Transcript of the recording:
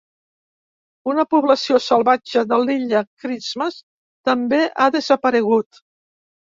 Una població salvatge de l'Illa Christmas també ha desaparegut.